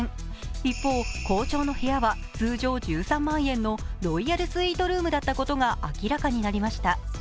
一方、校長の部屋は通常１３万円のロイヤルスイートルームだったことが明らかになりました。